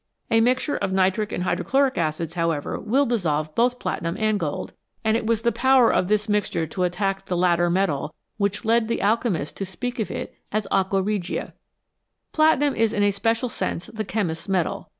A mixture of nitric and hydrochloric acids, however, will dissolve both platinum and gold, and it was the power of this mixture to attack thf ttter metal which led the alchemists to speak of it as "aqua regia" Platinum is in a special sense the chemist's metal.